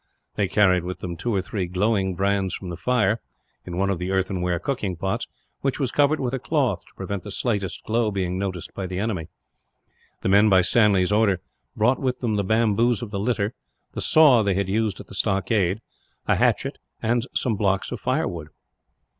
They carried with them two or three glowing brands from the fire, in one of the earthenware cooking pots, which was covered with a cloth to prevent the slightest glow being noticed by the enemy. The men, by Stanley's order, brought with them the bamboos of the litter, the saw they had used at the stockade, a hatchet, and some blocks of firewood.